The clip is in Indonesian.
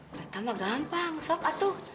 pertama gampang sokatu